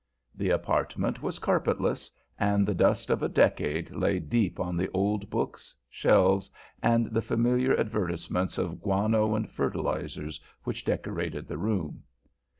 The apartment was carpetless, and the dust of a decade lay deep on the old books, shelves, and the familiar advertisements of guano and fertilizers which decorated the room.